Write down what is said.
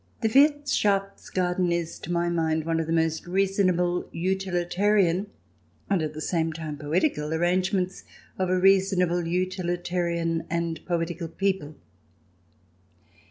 The Wirthschafts garten is, to my mind, one of the most reasonable, utilitarian, and at the same time poetical, arrangements of a reasonable, utili tarian, and poetical people.